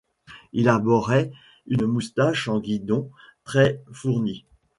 Il arborait une moustache en guidon très fournie.